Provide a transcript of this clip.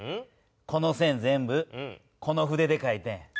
この線全部この筆でかいてん。